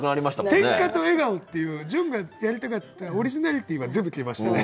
「点火」と「笑顔」っていう潤がやりたかったオリジナリティーは全部消えましたね。